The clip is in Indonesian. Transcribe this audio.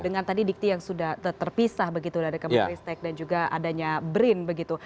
dengan tadi dikti yang sudah terpisah begitu dari kemenristek dan juga adanya brin begitu